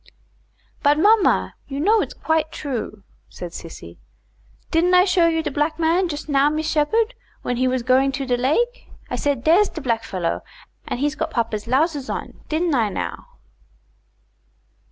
"But mamma, you know its quite true," said Sissy. "Didn't I show you de black man just now, Miss Sheppard, when he was going to de lake? I said dere's de blackfellow, and he's got papa's lowsers on, didn't I now?"